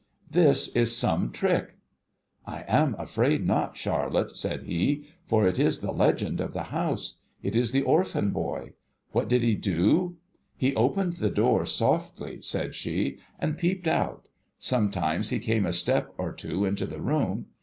This is some trick.' ' I am afraid not, Charlotte,' said he, ' for it is the legend of the house. It is the Orphan Boy. What did he do ?'' He opened the door softly,' said she, ' and peeped out. Sometimes, he came a step or two into the room.